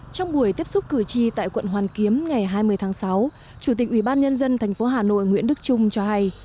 trong buổi tiếp xúc cử tri tại quận hoàn kiếm ngày hai mươi tháng sáu chủ tịch ủy ban nhân dân tp hà nội nguyễn đức trung cho hay